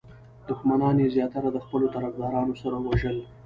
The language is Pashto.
دښمنان یې زیاتره د خپلو طرفدارانو سره وژل.